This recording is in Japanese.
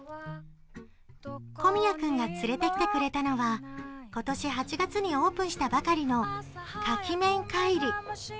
小宮君が連れてきてくれたのは、今年８月にオープンしたばかりの牡蠣×麺かいり。